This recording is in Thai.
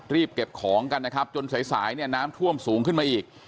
รีบเก็บของกันนะครับจนสายเนี่ยน้ำท่วมสูงขึ้นมาอีก